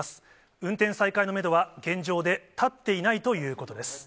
運転再開のメドは現状で立っていないということです。